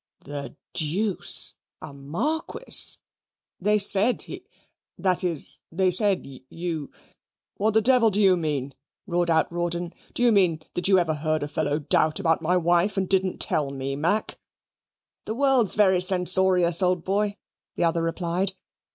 "The deuce! a Marquis! they said he that is, they said you " "What the devil do you mean?" roared out Rawdon; "do you mean that you ever heard a fellow doubt about my wife and didn't tell me, Mac?" "The world's very censorious, old boy," the other replied.